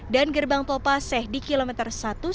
dan gerbang tol paseh di kilometer satu ratus sembilan puluh empat